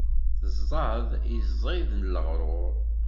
Teẓẓad iẓid n leɣrur.